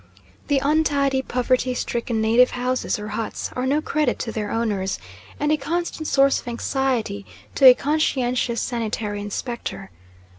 The untidy, poverty stricken native houses or huts are no credit to their owners, and a constant source of anxiety to a conscientious sanitary inspector.